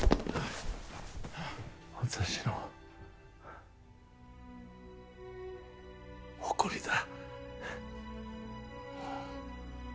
私の誇りだ